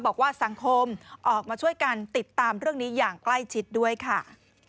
บอกว่าสังคมออกมาช่วยกันติดตามเรื่องนี้อย่างใกล้ชิดด้วยค่ะ